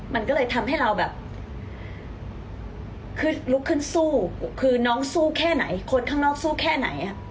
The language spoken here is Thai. มันก็เลยทำให้เราแบบคือลุกขึ้นสู้คือน้องสู้แค่ไหนคนข้างนอกสู้แค่ไหน